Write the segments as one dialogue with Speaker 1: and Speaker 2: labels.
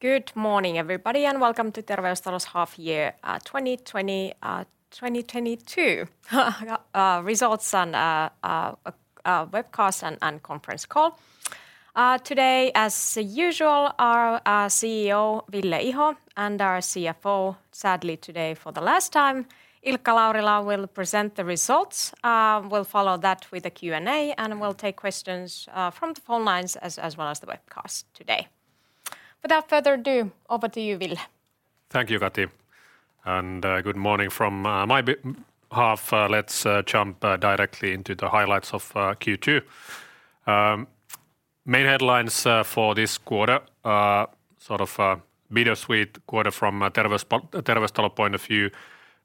Speaker 1: Good morning, everybody, and welcome to Terveystalo's half year 2022 results webcast and conference call. Today, as usual, our CEO, Ville Iho, and our CFO, sadly today for the last time, Ilkka Laurila, will present the results. We'll follow that with a Q&A, and we'll take questions from the phone lines as well as the webcast today. Without further ado, over to you, Ville.
Speaker 2: Thank you, Kati. Good morning from my half. Let's jump directly into the highlights of Q2. Main headlines for this quarter, a bittersweet quarter from a Terveystalo point of view.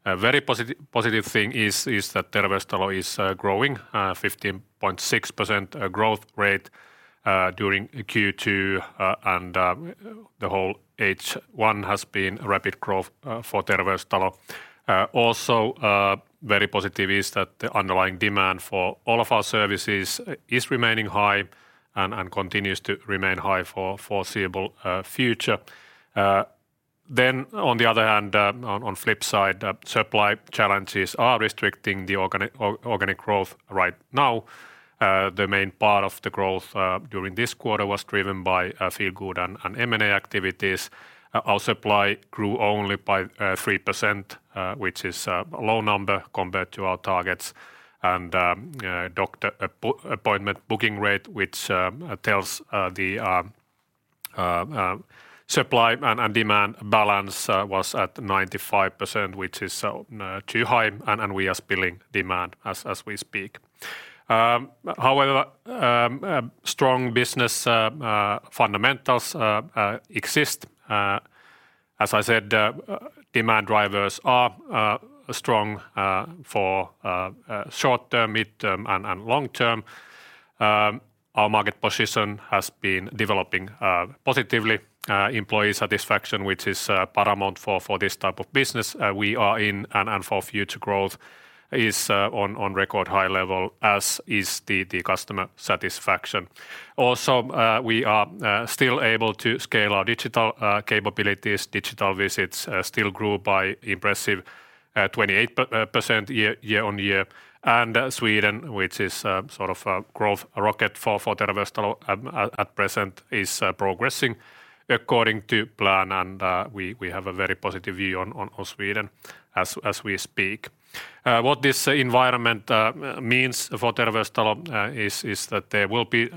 Speaker 2: Very positive thing is that Terveystalo is growing. 15.6% growth rate during Q2. The whole H1 has been rapid growth for Terveystalo. Also very positive is that the underlying demand for all of our services is remaining high and continues to remain high for foreseeable future. On the other hand, on flip side, supply challenges are restricting the organic growth right now. The main part of the growth during this quarter was driven by Feelgood and M&A activities. Our supply grew only by 3%, which is a low number compared to our targets. Doctor appointment booking rate, which tells the supply and demand balance, was at 95%, which is too high, and we are spilling demand as we speak. However, strong business fundamentals exist. As I said, demand drivers are strong for short-term, mid-term, and long-term. Our market position has been developing positively. Employee satisfaction, which is paramount for this type of business we are in and for future growth, is on record high level, as is the customer satisfaction. Also, we are still able to scale our digital capabilities. Digital visits still grew by impressive 28% year-on-year. Sweden, which is a growth rocket for Terveystalo at present, is progressing according to plan, and we have a very positive view on Sweden as we speak. What this environment means for Terveystalo is that there will be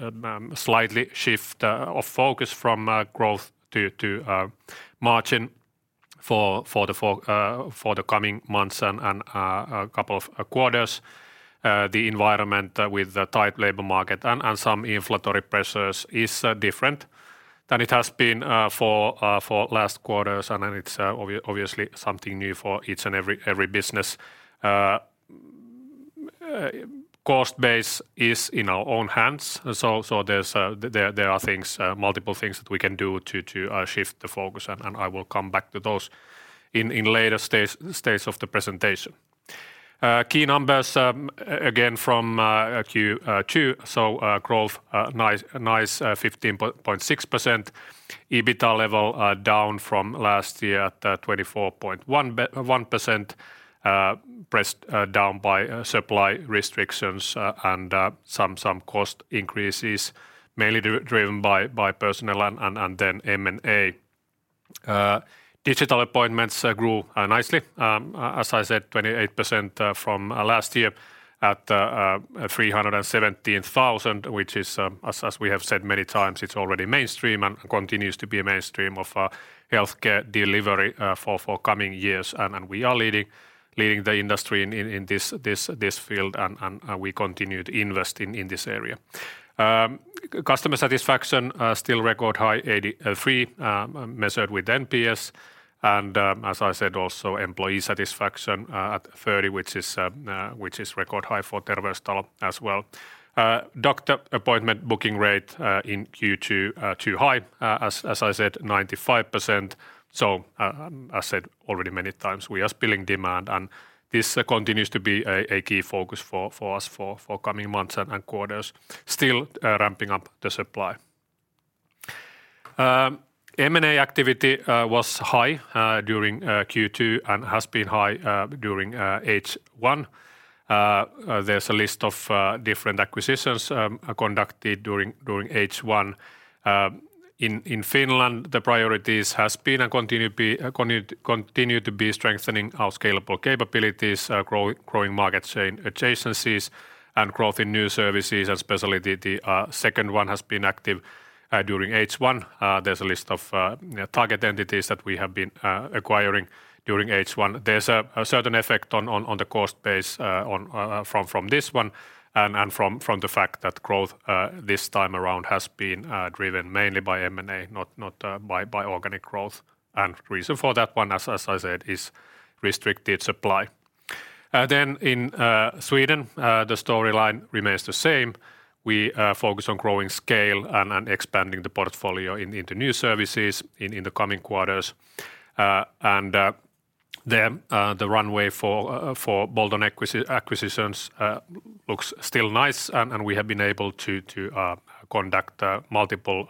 Speaker 2: slightly shift of focus from growth to margin for the coming months and couple of quarters. The environment with the tight labor market and some inflationary pressures is different than it has been for last quarters, and it's obviously something new for each and every business. Cost base is in our own hands. There are multiple things that we can do to shift the focus, and I will come back to those in later stage of the presentation. Key numbers, again, from Q2. Growth, nice 15.6%. EBITA level down from last year at 24.1%, pressed down by supply restrictions and some cost increases, mainly driven by personnel and M&A. Digital appointments grew nicely. As I said, 28% from last year at 317,000, which is, as we have said many times, it's already mainstream and continues to be a mainstream of our healthcare delivery for coming years. We are leading the industry in this field, and we continue to invest in this area. Customer satisfaction still record high 83, measured with NPS, as I said, also employee satisfaction at 30, which is record high for Terveystalo as well. Doctor appointment booking rate in Q2 too high. As I said, 95%. As said already many times, we are spilling demand, and this continues to be a key focus for us for coming months and quarters. Still ramping up the supply. M&A activity was high during Q2 and has been high during H1. There's a list of different acquisitions conducted during H1. In Finland, the priorities has been and continue to be strengthening our scalable capabilities, growing market adjacencies, and growth in new services, especially the second one has been active during H1. There's a list of target entities that we have been acquiring during H1. There's a certain effect on the cost base from this one and from the fact that growth this time around has been driven mainly by M&A, not by organic growth. Reason for that one, as I said, is restricted supply. In Sweden, the storyline remains the same. We focus on growing scale and expanding the portfolio into new services in the coming quarters. The runway for bold acquisitions looks still nice, and we have been able to conduct multiple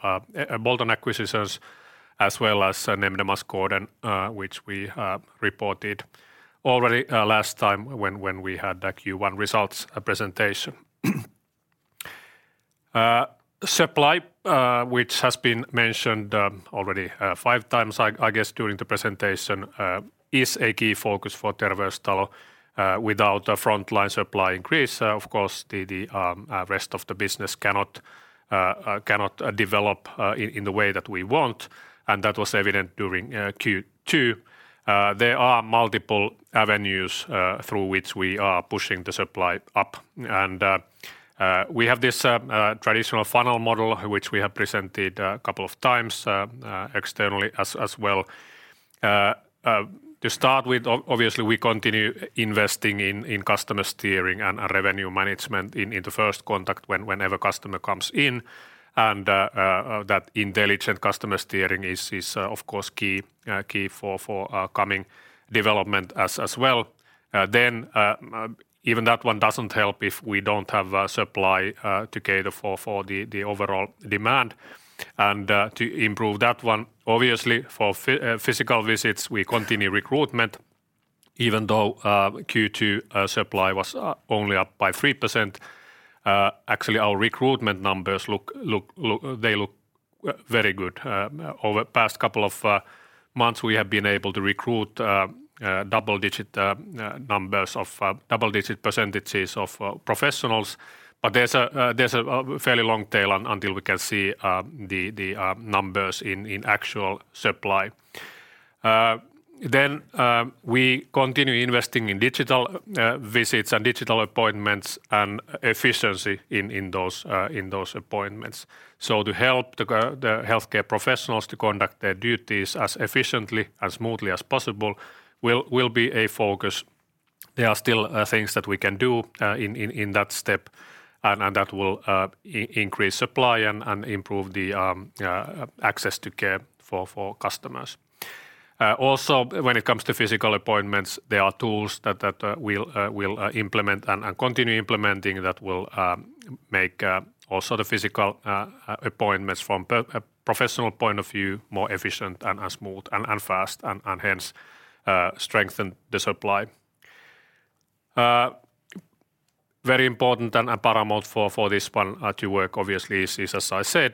Speaker 2: bold acquisitions as well as M&A score, which we reported already last time when we had the Q1 results presentation. Supply, which has been mentioned already five times, I guess, during the presentation, is a key focus for Terveystalo. Without a frontline supply increase, of course, the rest of the business cannot develop in the way that we want, and that was evident during Q2. There are multiple avenues through which we are pushing the supply up. We have this traditional funnel model, which we have presented a couple of times externally as well. To start with, obviously, we continue investing in customer steering and revenue management in the first contact whenever a customer comes in. That intelligent customer steering is, of course, key for coming development as well. Even that one doesn't help if we don't have a supply to cater for the overall demand. To improve that one, obviously, for physical visits, we continue recruitment even though Q2 supply was only up by 3%. Actually, our recruitment numbers look very good. Over the past couple of months, we have been able to recruit double-digit percentages of professionals, but there's a fairly long tail until we can see the numbers in actual supply. We continue investing in digital visits and digital appointments and efficiency in those appointments. To help the healthcare professionals to conduct their duties as efficiently, as smoothly as possible will be a focus. There are still things that we can do in that step, and that will increase supply and improve the access to care for customers. Also, when it comes to physical appointments, there are tools that we'll implement and continue implementing that will make also the physical appointments from a professional point of view, more efficient and smooth and fast, and hence strengthen the supply. Very important and paramount for this one to work obviously is, as I said,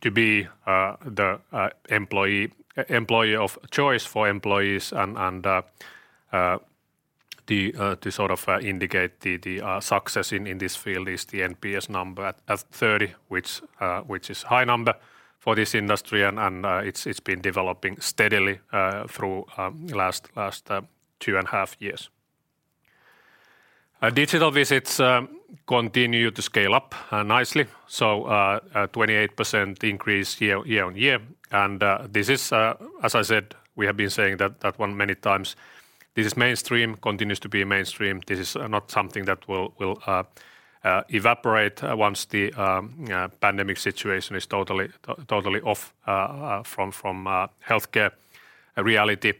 Speaker 2: to be the employer of choice for employees and to indicate the success in this field is the NPS number at 30, which is high number for this industry. It's been developing steadily through last two and a half years. Digital visits continue to scale up nicely. A 28% increase year-on-year. This is as I said, we have been saying that one many times, this is mainstream, continues to be mainstream. This is not something that will evaporate once the pandemic situation is totally off from healthcare reality.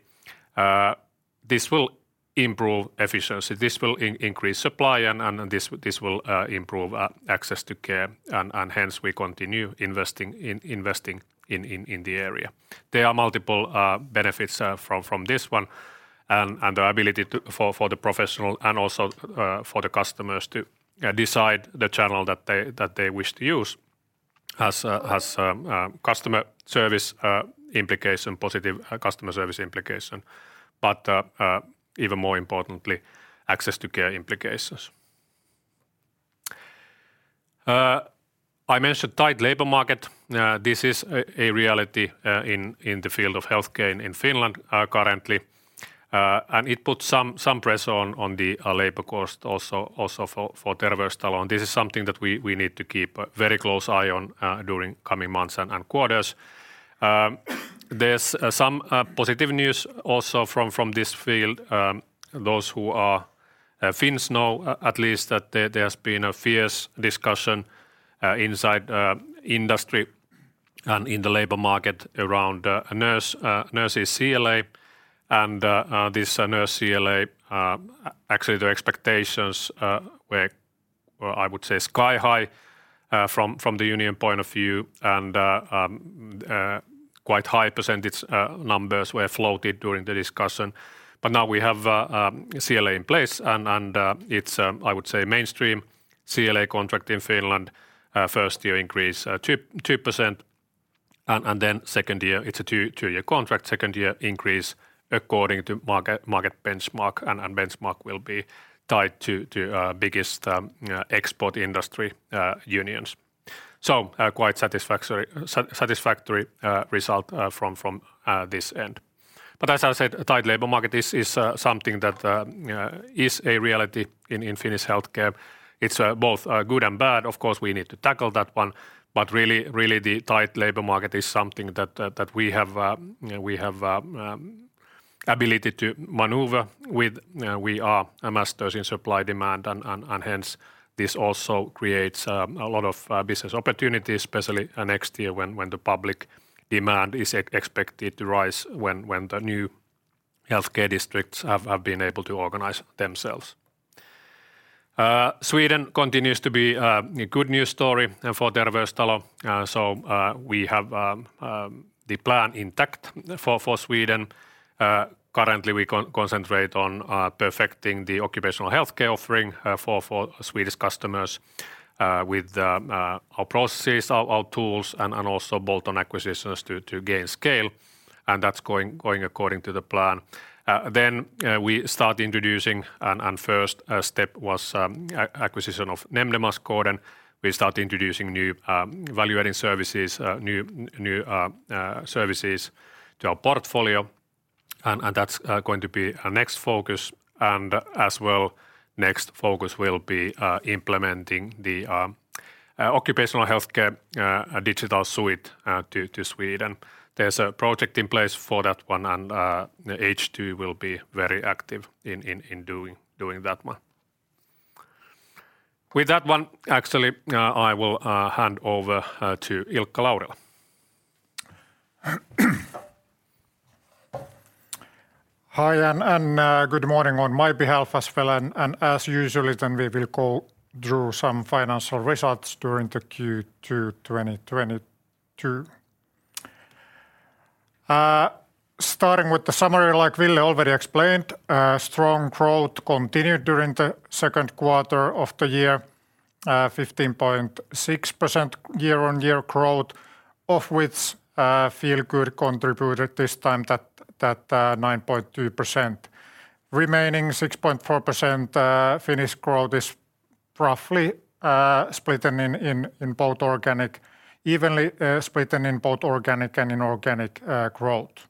Speaker 2: This will improve efficiency. This will increase supply, and this will improve access to care, and hence we continue investing in the area. There are multiple benefits from this one and the ability for the professional and also for the customers to decide the channel that they wish to use has positive customer service implication, but even more importantly, access to care implications. I mentioned tight labor market. This is a reality in the field of healthcare in Finland currently. It puts some pressure on the labor cost also for Terveystalo. This is something that we need to keep a very close eye on during coming months and quarters. There's some positive news also from this field. Those who are Finns know at least that there's been a fierce discussion inside industry and in the labor market around nurses' CLA. This nurse CLA, actually, the expectations were, I would say, sky high from the union point of view, and quite high % numbers were floated during the discussion. Now we have a CLA in place, and it's, I would say, mainstream CLA contract in Finland. First year increase 2%, then second year, it's a two-year contract, second year increase according to market benchmark will be tied to biggest export industry unions. Quite satisfactory result from this end. As I said, a tight labor market is something that is a reality in Finnish healthcare. It's both good and bad. Of course, we need to tackle that one, but really the tight labor market is something that we have ability to maneuver with. We are masters in supply-demand, and hence this also creates a lot of business opportunities, especially next year when the public demand is expected to rise when the new healthcare districts have been able to organize themselves. Sweden continues to be a good news story for Terveystalo. We have the plan intact for Sweden. Currently, we concentrate on perfecting the occupational healthcare offering for Swedish customers with our processes, our tools, and also bolt-on acquisitions to gain scale, and that's going according to the plan. Then we start introducing. First step was acquisition of Nämndemansgården. We start introducing new value-adding services, new services to our portfolio, and that's going to be our next focus, and as well, next focus will be implementing the occupational healthcare digital suite to Sweden. There's a project in place for that one, and H2 will be very active in doing that one. With that one, actually, I will hand over to Ilkka Laurila.
Speaker 3: Good morning on my behalf as well. As usually, we will go through some financial results during the Q2 2022. Starting with the summary, like Ville already explained, strong growth continued during the second quarter of the year, 15.6% year-on-year growth, of which Feelgood contributed this time that 9.2%. Remaining 6.4% Finnish growth is roughly evenly split in both organic and inorganic growth.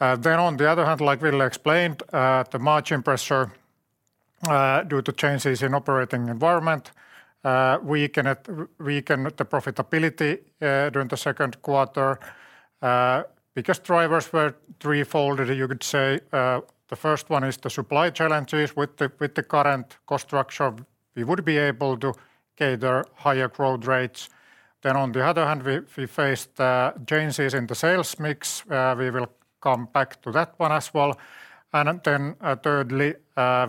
Speaker 3: On the other hand, like Ville explained, the margin pressure due to changes in operating environment weakened the profitability during the second quarter because drivers were three-folded, you could say. The first one is the supply challenges with the current cost structure. We would be able to gather higher growth rates. On the other hand, we faced changes in the sales mix. We will come back to that one as well. Thirdly,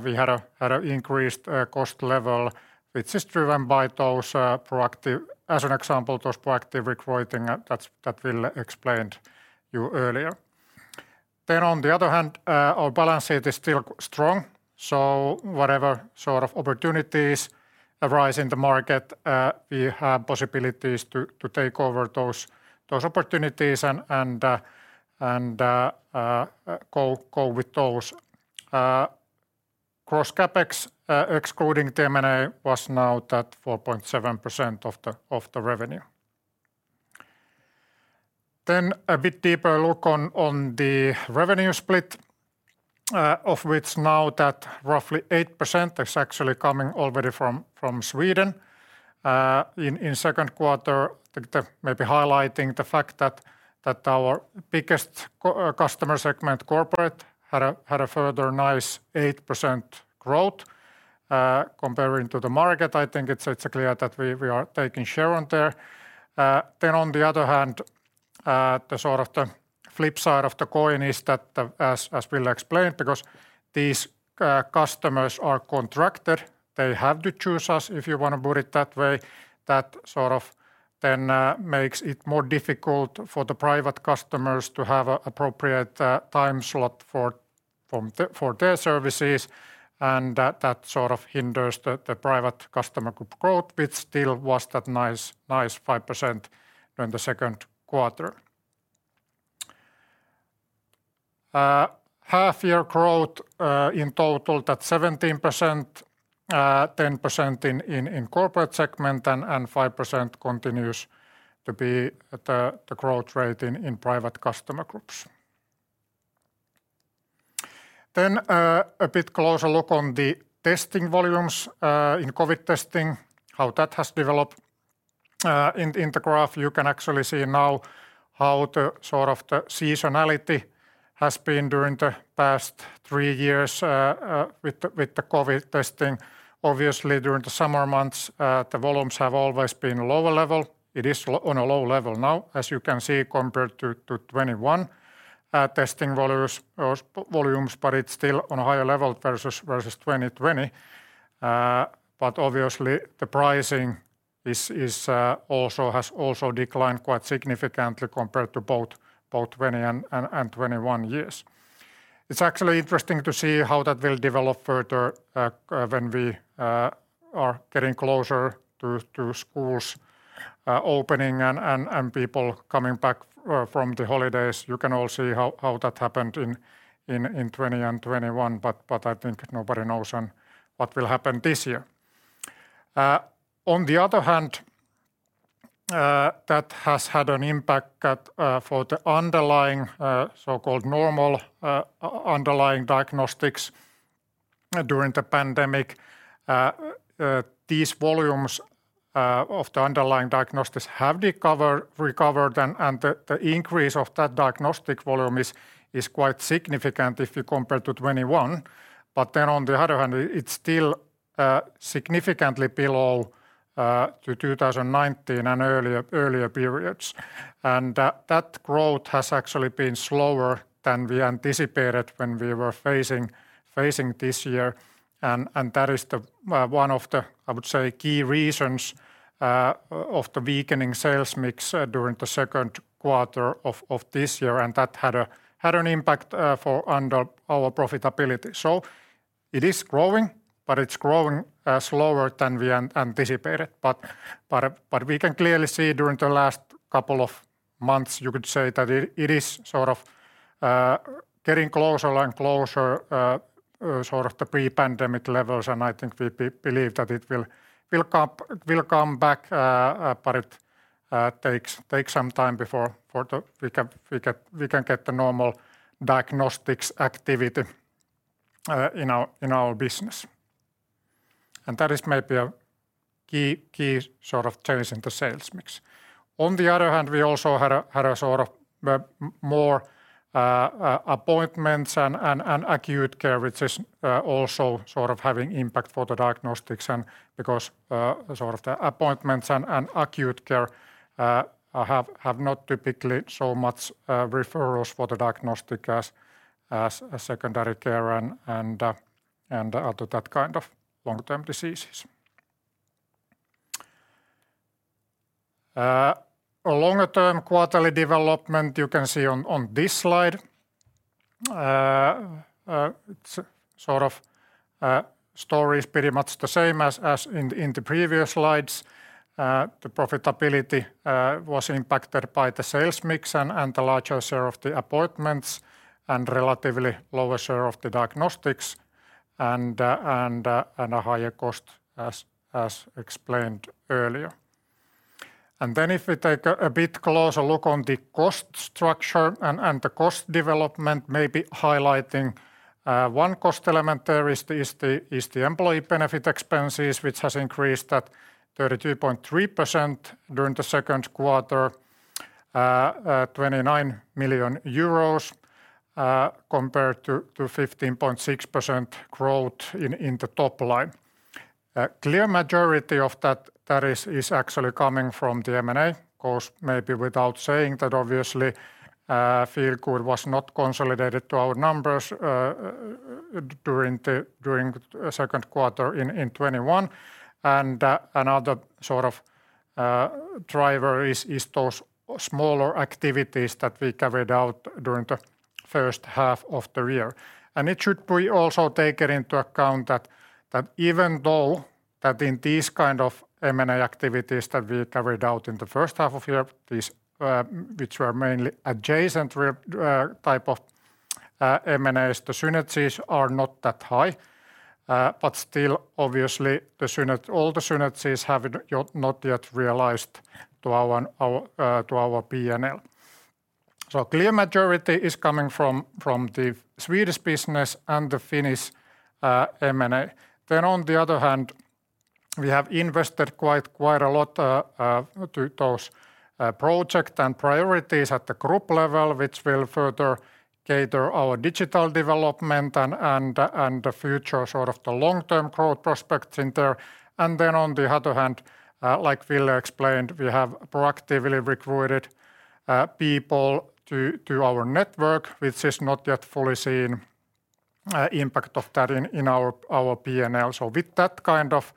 Speaker 3: we had an increased cost level, which is driven by those proactive, as an example, those proactive recruiting that Ville explained to you earlier. On the other hand, our balance sheet is still strong, so whatever sort of opportunities arise in the market, we have possibilities to take over those opportunities and go with those. Gross CapEx, excluding the M&A, was now that 4.7% of the revenue. A bit deeper look on the revenue split, of which now that roughly 8% is actually coming already from Sweden. In second quarter, maybe highlighting the fact that our biggest customer segment, corporate, had a further nice 8% growth. Comparing to the market, I think it's clear that we are taking share on there. On the other hand, the sort of flip side of the coin is that, as Ville explained, because these customers are contracted, they have to choose us if you want to put it that way. That sort of then makes it more difficult for the private customers to have an appropriate time slot for their services, and that sort of hinders the private customer group growth, which still was that nice 5% during the second quarter. Half-year growth in total, that 17%, 10% in corporate segment and 5% continues to be the growth rate in private customer groups. A bit closer look on the testing volumes in COVID testing, how that has developed. In the graph, you can actually see now how the sort of seasonality has been during the past three years with the COVID testing. Obviously, during the summer months, the volumes have always been lower level. It is on a low level now, as you can see, compared to 2021 testing volumes, but it's still on a higher level versus 2020. Obviously the pricing has also declined quite significantly compared to both 2020 and 2021 years. It's actually interesting to see how that will develop further when we are getting closer to schools opening and people coming back from the holidays. You can all see how that happened in 2020 and 2021, but I think nobody knows what will happen this year. On the other hand, that has had an impact for the underlying, so-called normal underlying diagnostics during the pandemic. These volumes of the underlying diagnostics have recovered, and the increase of that diagnostic volume is quite significant if you compare to 2021. It's still significantly below to 2019 and earlier periods. That growth has actually been slower than we anticipated when we were facing this year. That is one of the, I would say, key reasons of the weakening sales mix during the second quarter of this year. That had an impact on our profitability. It is growing, but it's growing slower than we anticipated. We can clearly see during the last couple of months, you could say that it is getting closer and closer to pre-pandemic levels, and I think we believe that it will come back, but it takes some time before we can get the normal diagnostics activity in our business. That is maybe a key change in the sales mix. On the other hand, we also had more appointments and acute care, which is also having impact for the diagnostics and because the appointments and acute care have not typically so much referrals for the diagnostic as secondary care and to that kind of long-term diseases. A longer term quarterly development you can see on this slide. The story is pretty much the same as in the previous slides. The profitability was impacted by the sales mix and the larger share of the appointments and relatively lower share of the diagnostics and a higher cost as explained earlier. If we take a bit closer look on the cost structure and the cost development, maybe highlighting one cost element there is the employee benefit expenses, which has increased at 32.3% during the second quarter, 29 million euros, compared to 15.6% growth in the top line. A clear majority of that is actually coming from the M&A. Of course, maybe without saying that obviously Feelgood was not consolidated to our numbers during the second quarter in 2021. Another driver is those smaller activities that we carried out during the first half of the year. It should be also taken into account that even though that in these kind of M&A activities that we carried out in the first half of year, which were mainly adjacent type of M&As, the synergies are not that high. Still, obviously all the synergies have not yet realized to our P&L. Clear majority is coming from the Swedish business and the Finnish M&A. On the other hand, we have invested quite a lot to those project and priorities at the group level, which will further cater our digital development and the future long-term growth prospects in there. On the other hand, like Ville explained, we have proactively recruited people to our network, which is not yet fully seen impact of that in our P&L. With that kind of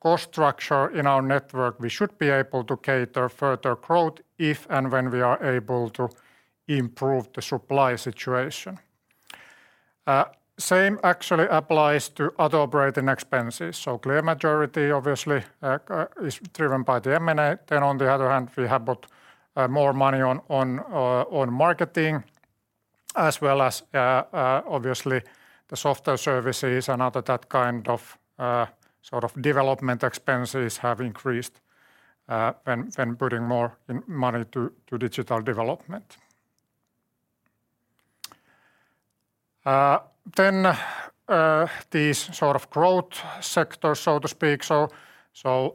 Speaker 3: cost structure in our network, we should be able to cater further growth if and when we are able to improve the supply situation. Same actually applies to other operating expenses. Clear majority obviously is driven by the M&A. On the other hand, we have put more money on marketing as well as obviously the software services and other that kind of development expenses have increased and putting more money to digital development. These growth sectors, so to speak.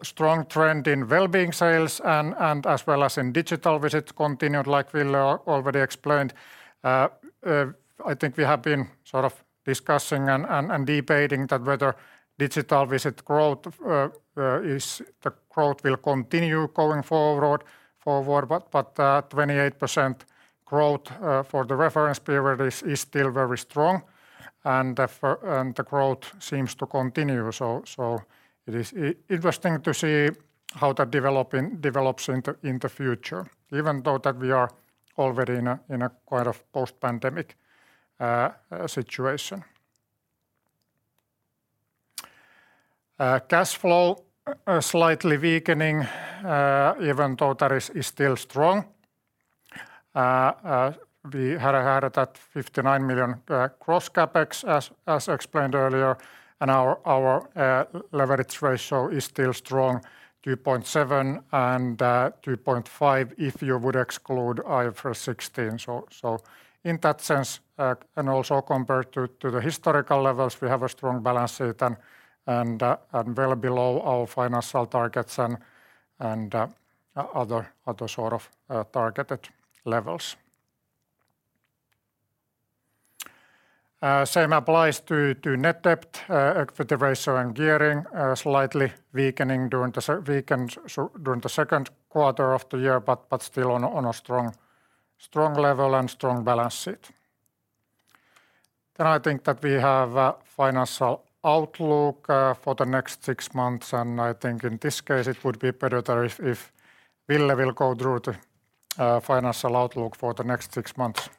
Speaker 3: Strong trend in wellbeing sales and as well as in digital visits continued, like Ville already explained. I think we have been discussing and debating that whether digital visit growth will continue going forward. 28% growth for the reference period is still very strong and the growth seems to continue. It is interesting to see how that develops in the future, even though that we are already in a post-pandemic situation. Cash flow slightly weakening even though that is still strong. We had that 59 million gross CapEx as explained earlier, and our leverage ratio is still strong, 2.7 and 2.5 if you would exclude IFRS 16. In that sense, and also compared to the historical levels, we have a strong balance sheet and well below our financial targets and other targeted levels. Same applies to net debt, equity ratio, and gearing, slightly weakening during the second quarter of the year. Still on a strong level and strong balance sheet. I think that we have a financial outlook for the next six months. I think in this case it would be better if Ville will go through the financial outlook for the next six months.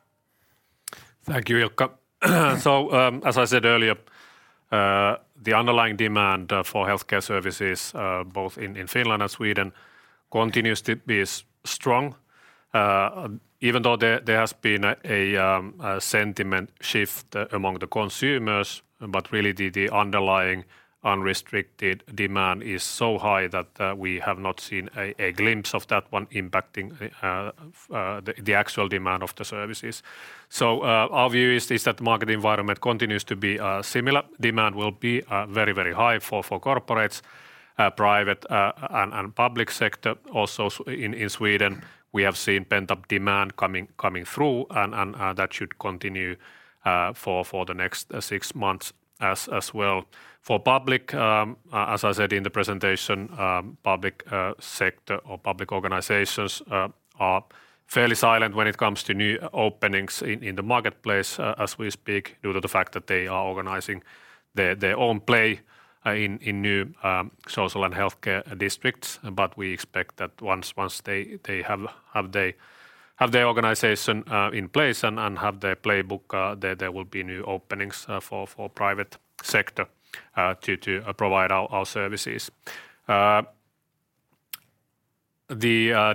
Speaker 2: Thank you, Ilkka. As I said earlier, the underlying demand for healthcare services both in Finland and Sweden continues to be strong, even though there has been a sentiment shift among the consumers. Really the underlying unrestricted demand is so high that we have not seen a glimpse of that one impacting the actual demand of the services. Our view is that market environment continues to be similar. Demand will be very high for corporates, private and public sector also in Sweden. We have seen pent-up demand coming through and that should continue for the next six months as well. For public, as I said in the presentation, public sector or public organizations are fairly silent when it comes to new openings in the marketplace as we speak due to the fact that they are organizing their own play in new social and healthcare districts. We expect that once they have their organization in place and have their playbook, there will be new openings for private sector to provide our services. The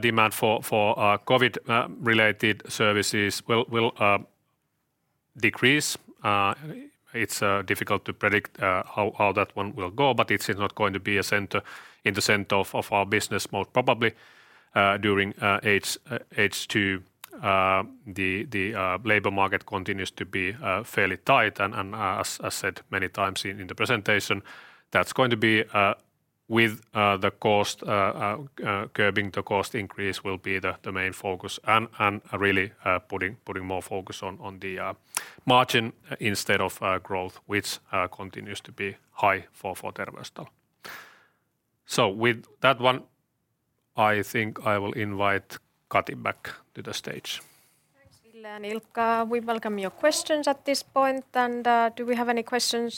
Speaker 2: demand for COVID-related services will decrease. It's difficult to predict how that one will go. It's not going to be in the center of our business most probably during H2. The labor market continues to be fairly tight. As I said many times in the presentation, that's going to be with the cost curbing, the cost increase will be the main focus and really putting more focus on the margin instead of growth, which continues to be high for Terveystalo. With that one, I think I will invite Kati back to the stage.
Speaker 1: Thanks, Ville and Ilkka. We welcome your questions at this point. Do we have any questions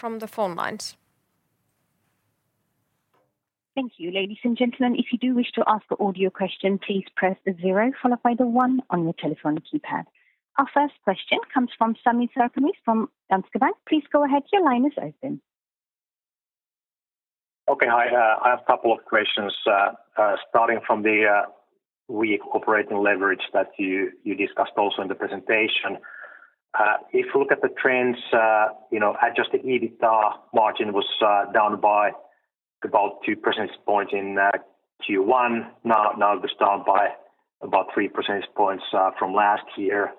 Speaker 1: from the phone lines?
Speaker 4: Thank you, ladies and gentlemen. If you do wish to ask an audio question, please press the 0 followed by the 1 on your telephone keypad. Our first question comes from Sami Sarkamies from Danske Bank. Please go ahead. Your line is open.
Speaker 5: Okay. I have a couple of questions starting from the weak operating leverage that you discussed also in the presentation. If you look at the trends, adjusted EBITDA margin was down by about 2 percentage points in Q1. Now it is down by about 3 percentage points from last year.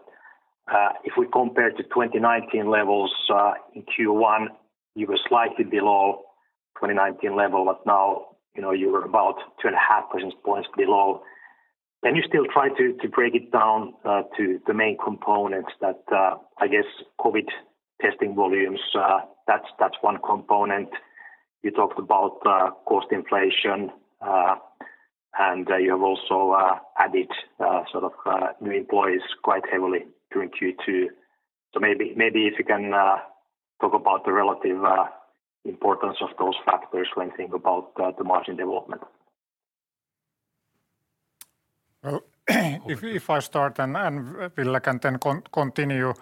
Speaker 5: If we compare to 2019 levels, in Q1 you were slightly below 2019 level, but now you were about 2.5 percentage points below. Can you still try to break it down to the main components that I guess COVID testing volumes, that's one component. You talked about cost inflation, and you have also added new employees quite heavily during Q2. Maybe if you can talk about the relative importance of those factors when thinking about the margin development.
Speaker 3: Well, if I start and Ville can then continue.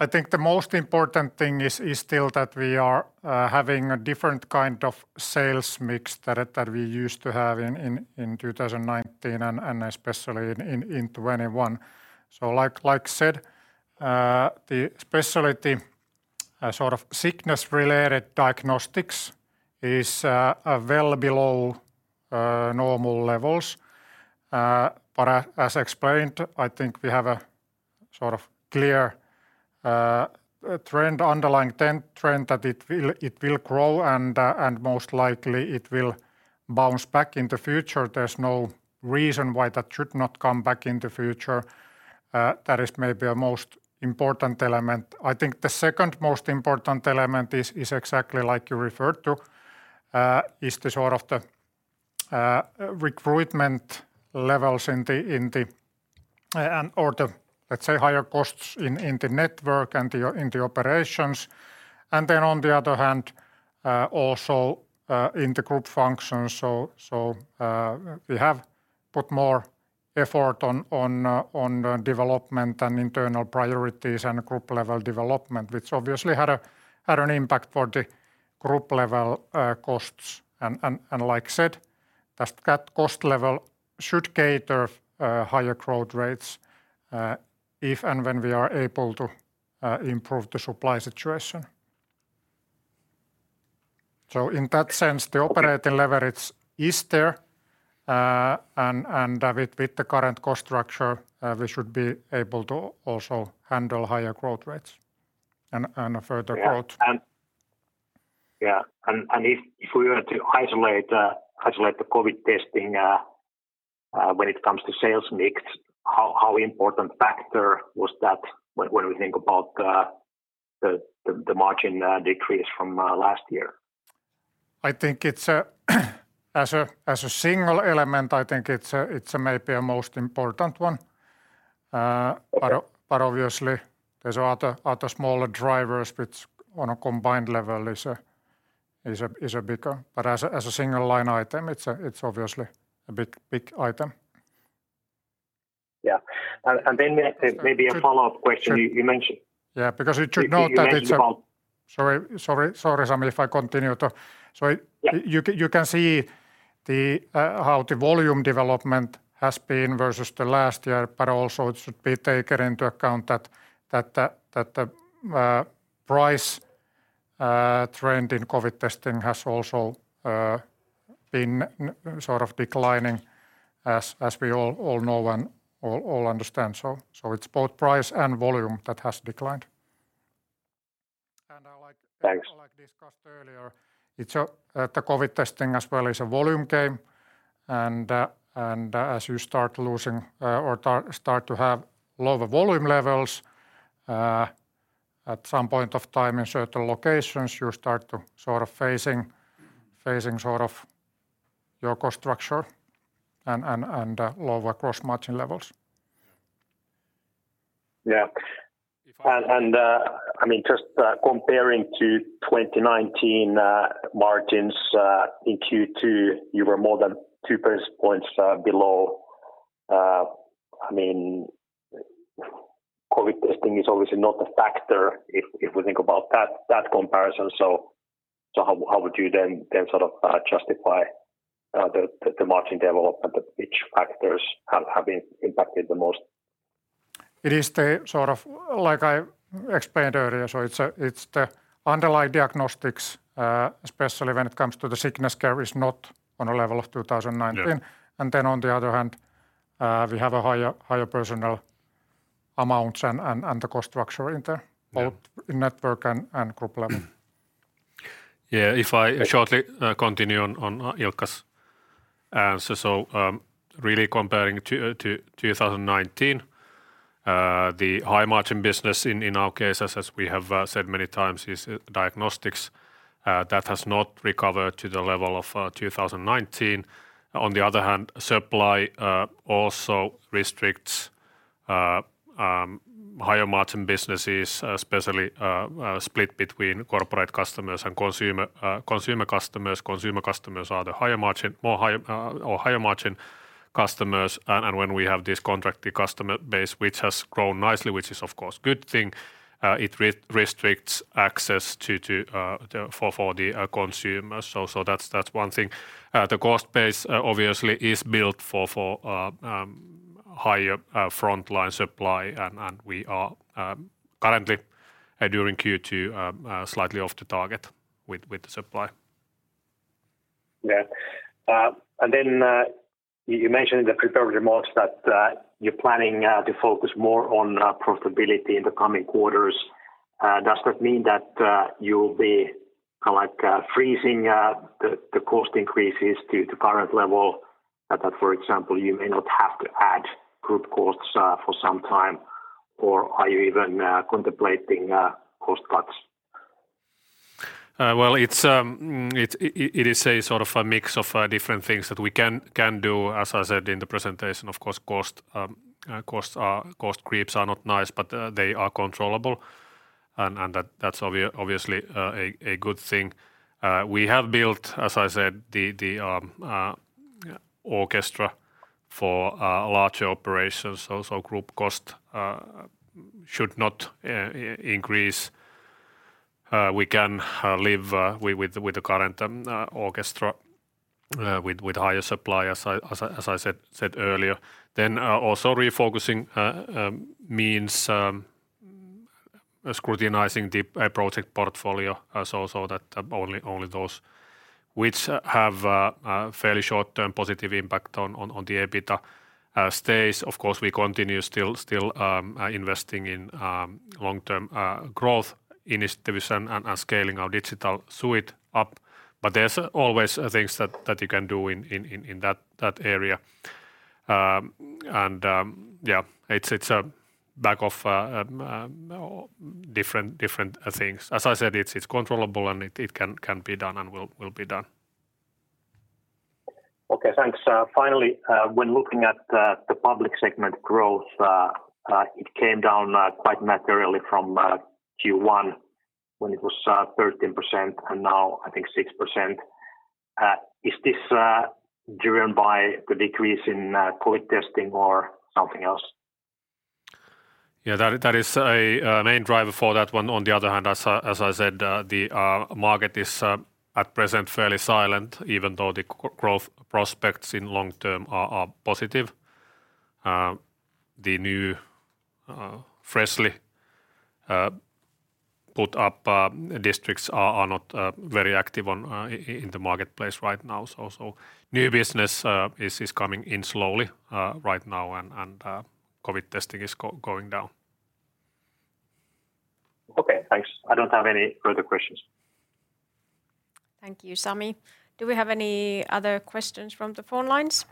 Speaker 3: I think the most important thing is still that we are having a different kind of sales mix that we used to have in 2019 and especially in 2021. Like I said, the specialty sickness-related diagnostics is well below normal levels. As explained, I think we have a clear underlying trend that it will grow, and most likely it will bounce back in the future. There's no reason why that should not come back in the future. That is maybe a most important element. I think the second most important element is exactly like you referred to, is the sort of the recruitment levels or the, let's say, higher costs in the network and in the operations, and then on the other hand, also in the group functions. We have put more effort on development and internal priorities and group-level development, which obviously had an impact for the group-level costs. Like I said, that cost level should cater higher growth rates if and when we are able to improve the supply situation. In that sense, the operating leverage is there. With the current cost structure, we should be able to also handle higher growth rates and further growth.
Speaker 5: If we were to isolate the COVID testing when it comes to sales mix, how important factor was that when we think about the margin decrease from last year?
Speaker 3: As a single element, I think it's maybe a most important one. Obviously, there's other smaller drivers which on a combined level is bigger. As a single line item, it's obviously a big item.
Speaker 5: Maybe a follow-up question you mentioned-
Speaker 3: Because you should note that it's a Sorry, Sami, if I continue.
Speaker 5: Yeah.
Speaker 3: You can see how the volume development has been versus the last year, but also it should be taken into account that the price trend in COVID testing has also been sort of declining as we all know and all understand. It's both price and volume that has declined.
Speaker 5: Thanks.
Speaker 3: Like discussed earlier, the COVID testing as well is a volume game, as you start to have lower volume levels, at some point of time in certain locations, you start phasing your cost structure and lower gross margin levels.
Speaker 5: Just comparing to 2019 margins in Q2, you were more than two percentage points below. COVID testing is obviously not a factor if we think about that comparison. How would you then sort of justify the margin development? Which factors have impacted the most?
Speaker 3: It is like I explained earlier, so it's the underlying diagnostics, especially when it comes to the sickness care is not on a level of 2019.
Speaker 5: Yeah.
Speaker 3: On the other hand, we have a higher personnel amounts and the cost structure in the both network and group level.
Speaker 5: If I shortly continue on Ilkka's answer. Really comparing to 2019, the high margin business in our cases, as we have said many times, is diagnostics. That has not recovered to the level of 2019. On the other hand, supply also restricts higher margin businesses, especially split between corporate customers and consumer customers. Consumer customers are the higher margin customers and when we have this contracted customer base, which has grown nicely, which is of course good thing, it restricts access for the consumer. That's one thing. The cost base obviously is built for higher frontline supply, and we are currently during Q2 slightly off the target with the supply. You mentioned in the prepared remarks that you're planning to focus more on profitability in the coming quarters. Does that mean that you'll be freezing the cost increases to the current level, that for example, you may not have to add group costs for some time? Are you even contemplating cost cuts?
Speaker 3: Well, it is a sort of a mix of different things that we can do. As I said in the presentation, of course, cost creeps are not nice, but they are controllable. That's obviously a good thing. We have built, as I said, the orchestra for larger operations, group cost should not increase. We can live with the current orchestra with higher supply as I said earlier. Also refocusing means scrutinizing the project portfolio, so that only those which have fairly short-term positive impact on the EBITA stays. Of course, we continue still investing in long-term growth initiatives and scaling our digital suite up. There's always things that you can do in that area. Yeah, it's a bag of different things. As I said, it's controllable and it can be done and will be done.
Speaker 5: Okay, thanks. Finally, when looking at the public segment growth, it came down quite materially from Q1 when it was 13% and now I think 6%. Is this driven by the decrease in COVID testing or something else?
Speaker 3: Yeah, that is a main driver for that one. On the other hand, as I said, the market is at present fairly silent, even though the growth prospects in long term are positive. The new freshly put up districts are not very active in the marketplace right now, so new business is coming in slowly right now, and COVID testing is going down.
Speaker 5: Okay, thanks. I don't have any further questions.
Speaker 1: Thank you, Sami. Do we have any other questions from the phone lines?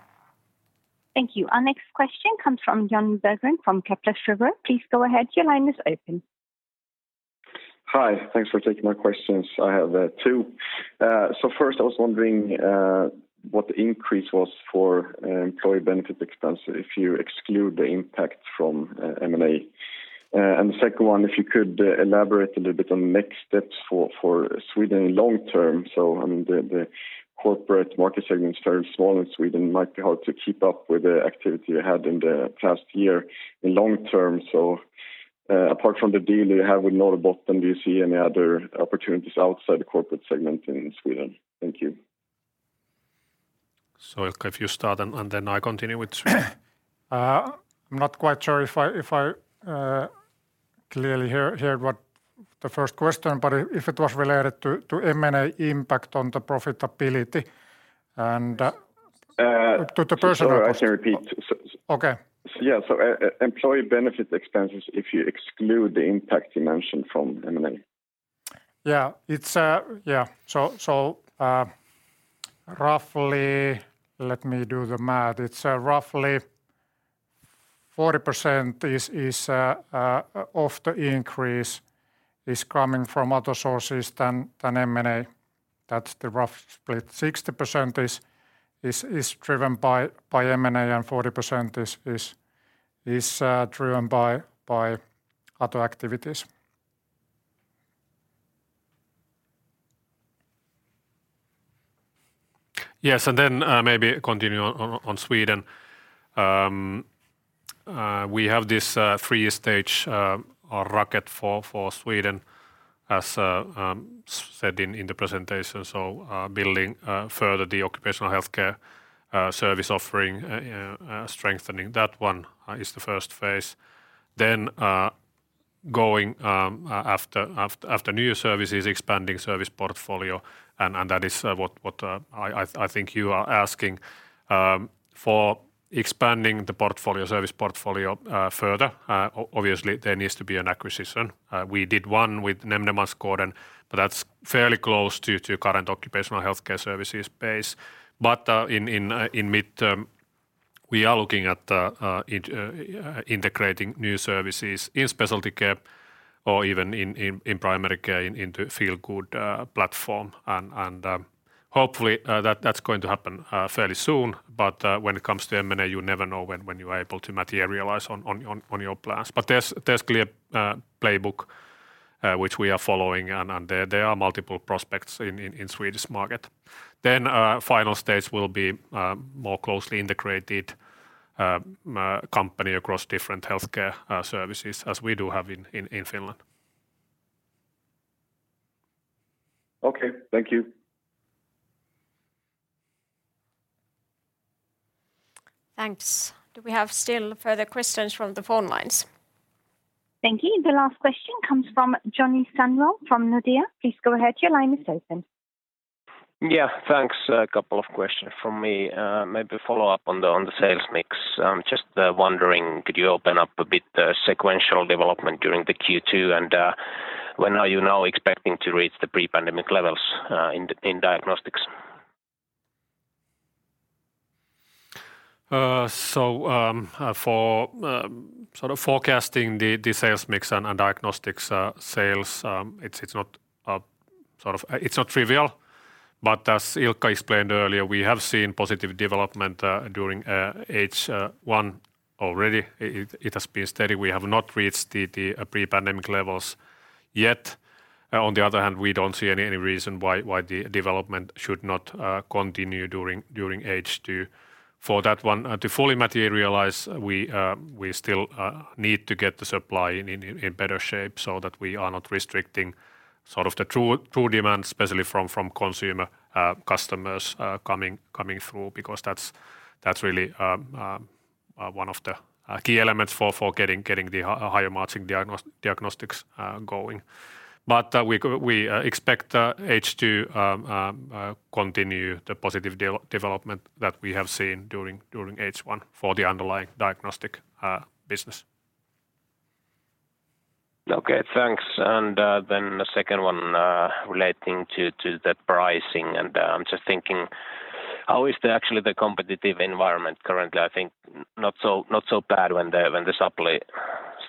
Speaker 4: Thank you. Our next question comes from Jon Berggren from Kepler Cheuvreux. Please go ahead. Your line is open.
Speaker 6: Hi. Thanks for taking my questions. I have two. First I was wondering what the increase was for employee benefit expense if you exclude the impact from M&A. The second one, if you could elaborate a little bit on the next steps for Sweden long term. The corporate market segment is very small in Sweden, it might be hard to keep up with the activity you had in the past year in long term. Apart from the deal you have with Norrbotten, do you see any other opportunities outside the corporate segment in Sweden? Thank you.
Speaker 2: Ilkka, if you start and then I continue with Sweden.
Speaker 3: I'm not quite sure if I clearly heard the first question, but if it was related to M&A impact on the profitability and to the person-
Speaker 6: Sorry, I can repeat.
Speaker 3: Okay.
Speaker 6: Yeah. Employee benefit expenses, if you exclude the impact you mentioned from M&A.
Speaker 3: Yeah. Let me do the math. It's roughly 40% of the increase is coming from other sources than M&A. That's the rough split. 60% is driven by M&A and 40% is driven by other activities.
Speaker 2: Yes, maybe continue on Sweden. We have this 3-stage rocket for Sweden, as said in the presentation. Building further the occupational healthcare service offering, strengthening that one is the first phase. Going after new services, expanding service portfolio, and that is what I think you are asking. For expanding the service portfolio further, obviously there needs to be an acquisition. We did one with Nämndemansgården, that's fairly close to current occupational healthcare services base. In midterm, we are looking at integrating new services in specialty care or even in primary care into Feelgood platform, and hopefully that's going to happen fairly soon. When it comes to M&A, you never know when you are able to materialize on your plans. There's clear playbook which we are following, and there are multiple prospects in Swedish market. Final stage will be more closely integrated company across different healthcare services as we do have in Finland.
Speaker 6: Okay. Thank you.
Speaker 1: Thanks. Do we have still further questions from the phone lines?
Speaker 4: Thank you. The last question comes from Joni Sunnaro from Nordea. Please go ahead. Your line is open.
Speaker 7: Yeah. Thanks. Two questions from me. Maybe a follow-up on the sales mix. Just wondering, could you open up a bit the sequential development during the Q2, and when are you now expecting to reach the pre-pandemic levels in diagnostics?
Speaker 2: For forecasting the sales mix and diagnostics sales, it is not trivial, but as Ilkka explained earlier, we have seen positive development during H1 already. It has been steady. We have not reached the pre-pandemic levels yet. On the other hand, we do not see any reason why the development should not continue during H2. For that one to fully materialize, we still need to get the supply in better shape so that we are not restricting the true demand, especially from consumer customers coming through, because that is really one of the key elements for getting the higher margin diagnostics going. We expect H2 continue the positive development that we have seen during H1 for the underlying diagnostic business.
Speaker 7: Okay, thanks. The second one relating to the pricing, I am just thinking how is actually the competitive environment currently? I think not so bad when the supply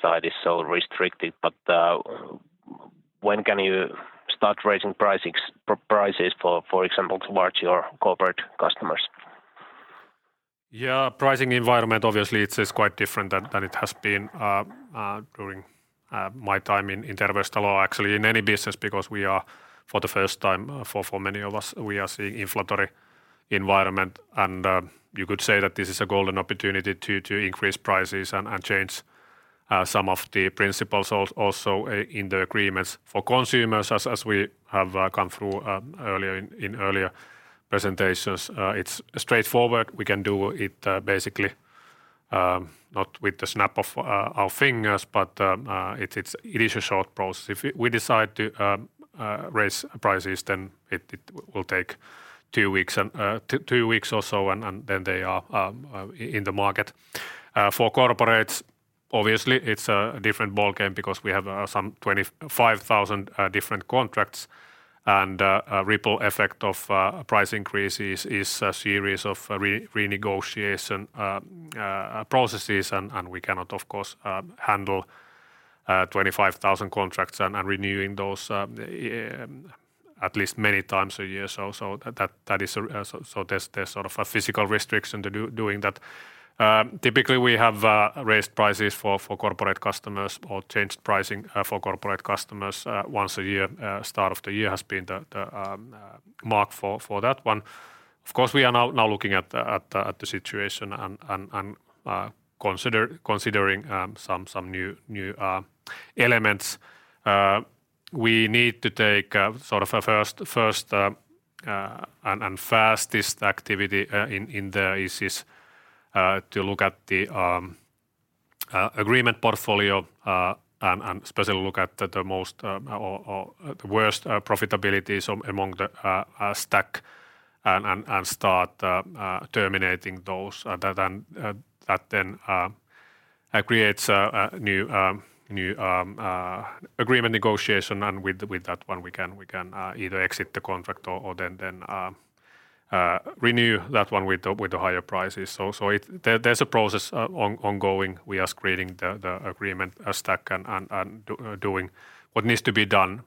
Speaker 7: side is so restricted, when can you start raising prices for example, large or corporate customers?
Speaker 2: Yeah. Pricing environment, obviously it's quite different than it has been during my time in Terveystalo, or actually in any business, because we are for the first time, for many of us, we are seeing inflationary environment. You could say that this is a golden opportunity to increase prices and change some of the principles also in the agreements. For consumers, as we have gone through in earlier presentations, it's straightforward. We can do it basically, not with the snap of our fingers, but it is a short process. If we decide to raise prices, then it will take 2 weeks or so, and then they are in the market. For corporates, obviously it's a different ballgame because we have some 25,000 different contracts, and a ripple effect of price increases is a series of renegotiation processes. We cannot, of course, handle 25,000 contracts and renewing those at least many times a year. There's a physical restriction to doing that. Typically, we have raised prices for corporate customers or changed pricing for corporate customers once a year. Start of the year has been the mark for that one. Of course, we are now looking at the situation and considering some new elements. We need to take a first and fastest activity in there is to look at the agreement portfolio, and especially look at the worst profitabilities among the stack and start terminating those. That then creates a new agreement negotiation, and with that one, we can either exit the contract or then renew that one with the higher prices. There's a process ongoing. We are screening the agreement stack and doing what needs to be done.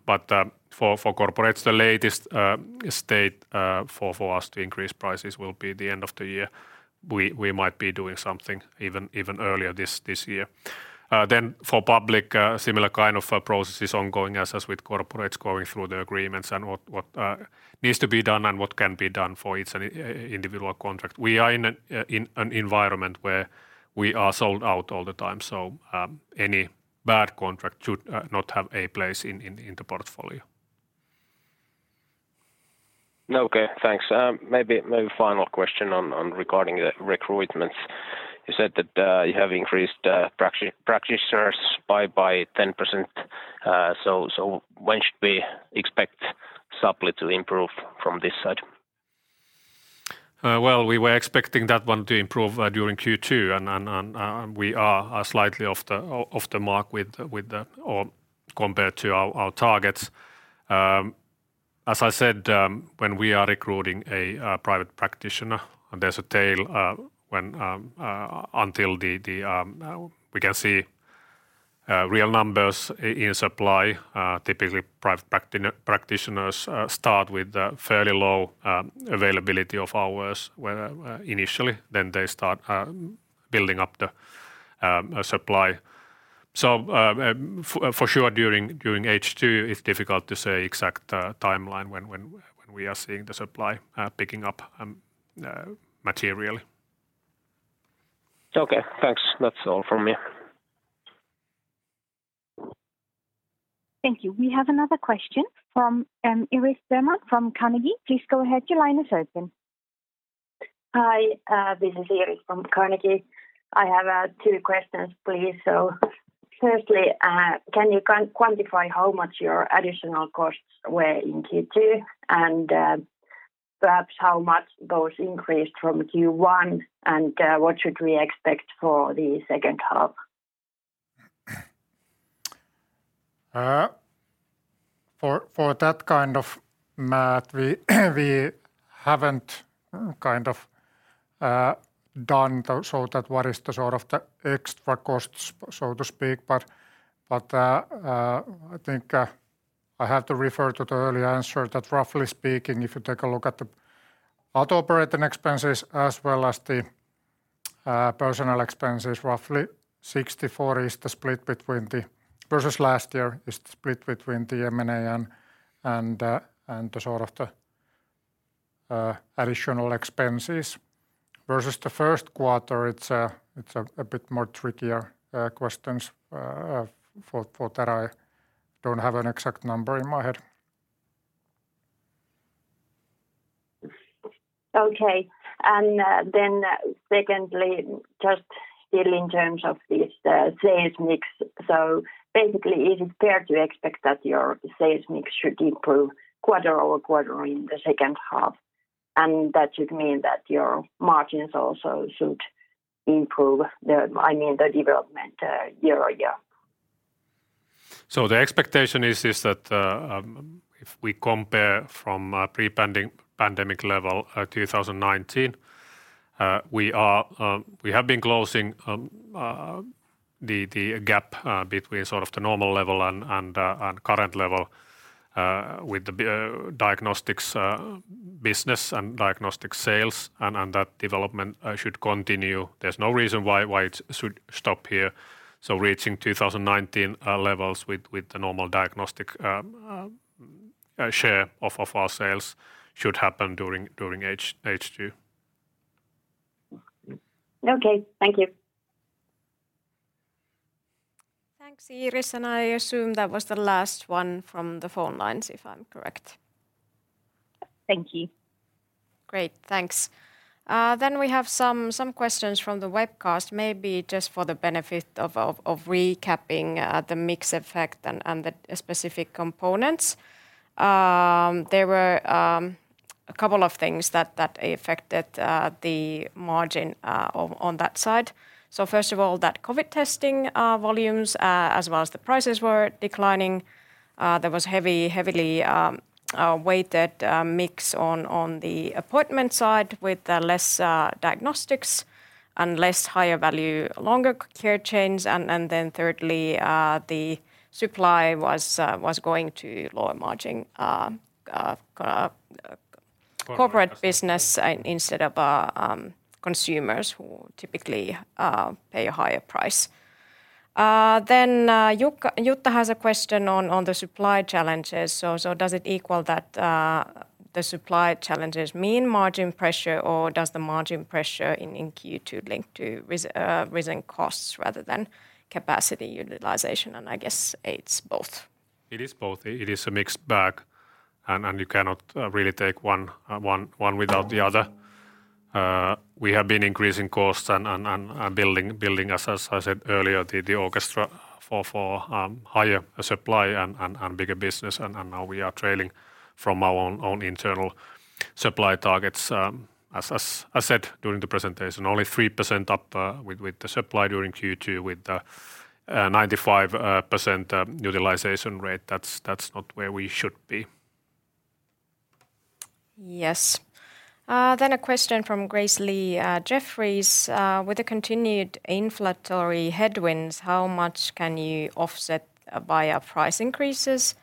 Speaker 2: For corporates, the latest state for us to increase prices will be the end of the year. We might be doing something even earlier this year. For public, similar kind of processes ongoing as with corporates, going through the agreements and what needs to be done and what can be done for each individual contract. We are in an environment where we are sold out all the time, so any bad contract should not have a place in the portfolio.
Speaker 7: Okay, thanks. Maybe final question regarding the recruitments. You said that you have increased practitioners by 10%. When should we expect supply to improve from this side?
Speaker 2: Well, we were expecting that one to improve during Q2. We are slightly off the mark compared to our targets. As I said, when we are recruiting a private practitioner, there's a tail until we can see real numbers in supply. Typically, private practitioners start with fairly low availability of hours initially, then they start building up the supply. For sure during H2, it's difficult to say exact timeline when we are seeing the supply picking up materially.
Speaker 7: Okay, thanks. That's all from me.
Speaker 4: Thank you. We have another question from Iris Bergmark from Carnegie. Please go ahead, your line is open.
Speaker 8: Hi, this is Iris from Carnegie. I have two questions, please. Firstly, can you quantify how much your additional costs were in Q2? Perhaps how much those increased from Q1, what should we expect for the second half?
Speaker 3: For that kind of math, we haven't done so that what is the extra costs, so to speak. I think I have to refer to the earlier answer that roughly speaking, if you take a look at the operating expenses as well as the personal expenses, versus last year, is the split between the M&A and the additional expenses. Versus the first quarter, it's a bit more trickier questions. For that, I don't have an exact number in my head.
Speaker 8: Okay. Secondly, just still in terms of the sales mix. Basically, is it fair to expect that your sales mix should improve quarter-over-quarter in the second half? That should mean that your margins also should improve, I mean the development year-over-year.
Speaker 3: The expectation is that if we compare from pre-pandemic level 2019, we have been closing the gap between the normal level and current level with the diagnostics business and diagnostic sales, that development should continue. There's no reason why it should stop here. Reaching 2019 levels with the normal diagnostic share of our sales should happen during H2.
Speaker 8: Okay. Thank you.
Speaker 1: Thanks, Iris. I assume that was the last one from the phone lines, if I'm correct.
Speaker 4: Thank you.
Speaker 1: Great. Thanks. We have some questions from the webcast, maybe just for the benefit of recapping the mix effect and the specific components. There were a couple of things that affected the margin on that side. First of all, that COVID testing volumes as well as the prices were declining. There was heavily weighted mix on the appointment side with less diagnostics and less higher value, longer care chains. Thirdly, the supply was going to lower margin corporate business instead of consumers who typically pay a higher price. Jutta has a question on the supply challenges. Does it equal that the supply challenges mean margin pressure, or does the margin pressure in Q2 link to risen costs rather than capacity utilization? I guess it's both.
Speaker 2: It is both. It is a mixed bag. You cannot really take one without the other. We have been increasing costs and building, as I said earlier, the orchestra for higher supply and bigger business. Now we are trailing from our own internal supply targets. As I said during the presentation, only 3% up with the supply during Q2 with 95% utilization rate. That's not where we should be.
Speaker 1: Yes. A question from Grace Lee, Jefferies. With the continued inflationary headwinds, how much can you offset via price increases,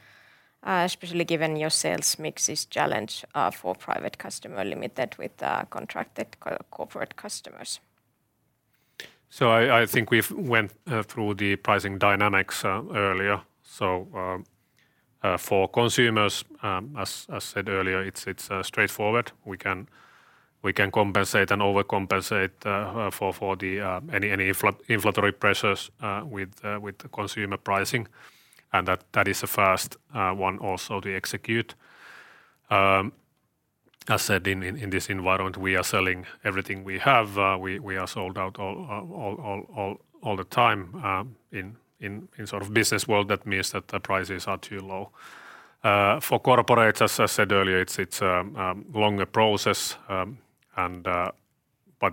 Speaker 1: especially given your sales mix is challenged for private customer limited with contracted corporate customers?
Speaker 2: I think we've went through the pricing dynamics earlier. For consumers, as I said earlier, it's straightforward. We can compensate and overcompensate for any inflationary pressures with the consumer pricing, that is the first one also to execute. As said, in this environment, we are selling everything we have. We are sold out all the time. In business world, that means that the prices are too low. For corporate, as I said earlier, it's a longer process,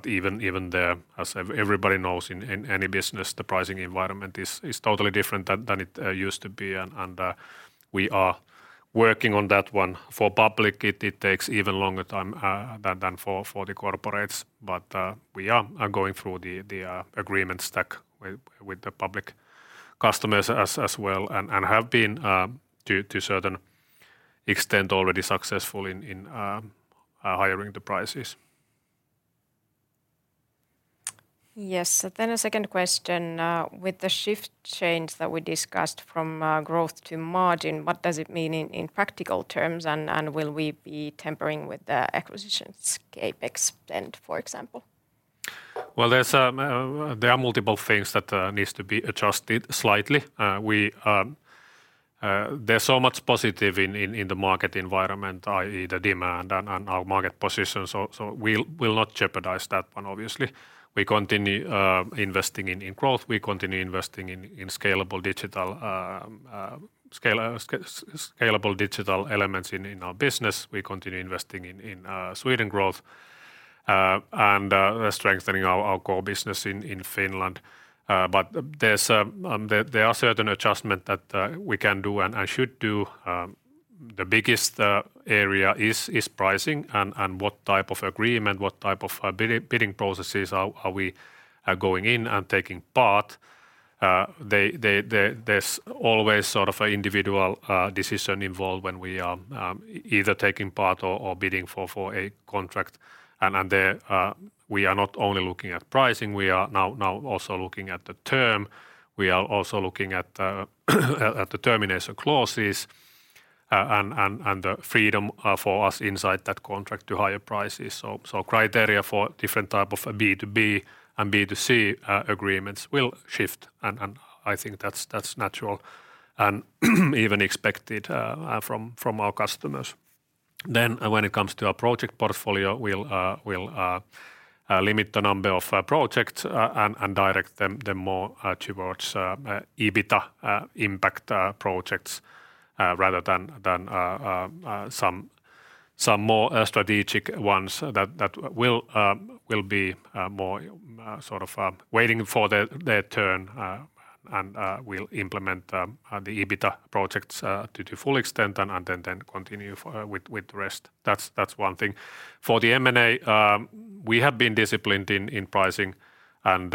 Speaker 2: even there, as everybody knows, in any business, the pricing environment is totally different than it used to be, we are working on that one. For public, it takes even longer time than for the corporates, we are going through the agreement stack with the public customers as well and have been to certain extent already successful in highering the prices.
Speaker 1: Yes. A second question. With the shift change that we discussed from growth to margin, what does it mean in practical terms, will we be tampering with the acquisitions CapEx spend, for example?
Speaker 2: Well, there are multiple things that needs to be adjusted slightly. There's so much positive in the market environment, i.e. the demand and our market position, we'll not jeopardize that one obviously. We continue investing in growth, we continue investing in scalable digital elements in our business. We continue investing in Sweden growth and strengthening our core business in Finland. There are certain adjustment that we can do and should do. The biggest area is pricing and what type of agreement, what type of bidding processes are we going in and taking part. There's always an individual decision involved when we are either taking part or bidding for a contract. There we are not only looking at pricing, we are now also looking at the term. We are also looking at the termination clauses and the freedom for us inside that contract to higher prices. Criteria for different type of B2B and B2C agreements will shift, and I think that's natural and even expected from our customers. When it comes to our project portfolio, we'll limit the number of projects and direct them more towards EBITDA impact projects rather than some more strategic ones that will be more waiting for their turn, and we'll implement the EBITDA projects to full extent and continue with the rest. That's one thing. For the M&A, we have been disciplined in pricing and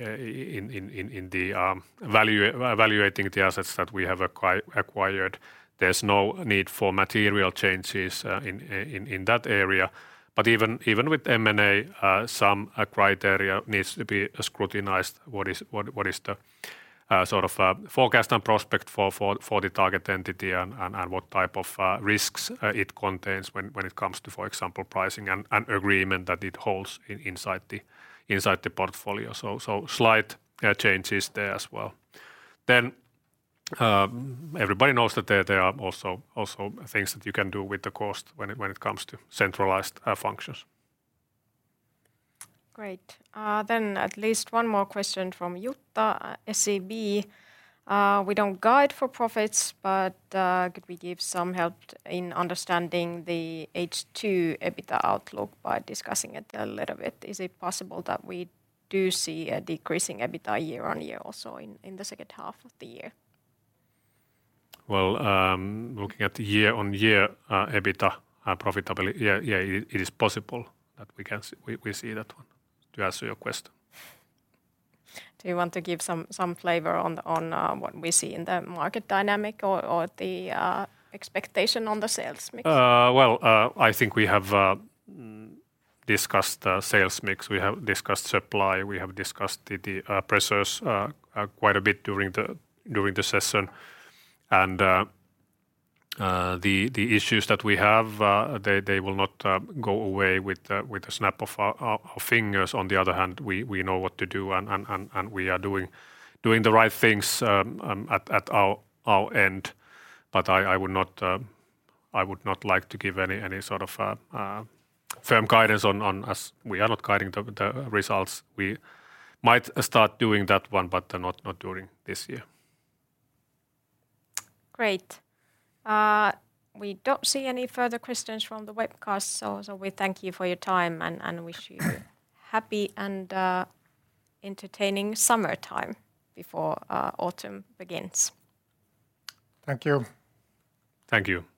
Speaker 2: in the evaluating the assets that we have acquired. There's no need for material changes in that area. Even with M&A, some criteria needs to be scrutinized. What is the forecast and prospect for the target entity and what type of risks it contains when it comes to, for example, pricing and agreement that it holds inside the portfolio. Slight changes there as well. Everybody knows that there are also things that you can do with the cost when it comes to centralized functions.
Speaker 1: Great. At least one more question from Jutta, SEB. We don't guide for profits, but could we give some help in understanding the H2 EBITDA outlook by discussing it a little bit? Is it possible that we do see a decreasing EBITDA year-on-year also in the second half of the year?
Speaker 2: Well, looking at the year-on-year EBITDA profitability, yeah, it is possible that we see that one to answer your question.
Speaker 1: Do you want to give some flavor on what we see in the market dynamic or the expectation on the sales mix?
Speaker 2: Well, I think we have discussed sales mix, we have discussed supply, we have discussed the pressures quite a bit during the session. The issues that we have, they will not go away with a snap of our fingers. On the other hand, we know what to do, and we are doing the right things at our end. I would not like to give any sort of firm guidance on, as we are not guiding the results. We might start doing that one, but not during this year.
Speaker 1: Great. We don't see any further questions from the webcast, so we thank you for your time and wish you happy and entertaining summertime before autumn begins.
Speaker 2: Thank you. Thank you.